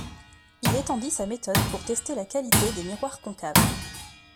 Il étendit sa méthode pour tester la qualité des miroirs concaves.